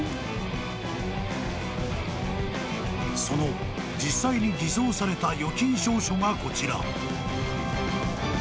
［その実際に偽造された預金証書がこちら］